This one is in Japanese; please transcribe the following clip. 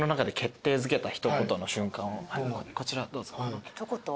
こちらどうぞ。